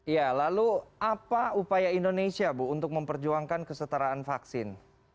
ya lalu apa upaya indonesia bu untuk memperjuangkan kesetaraan vaksin